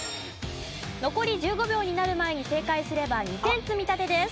残り１５秒になる前に正解すれば２点積み立てです。